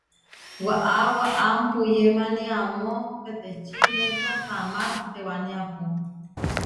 Waʼá waʼám puyemánia amó peteči Núnka Hamás tewaniápu.